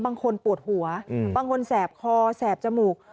บางคนปวดหัวบางคนแสบคอแสบจมูก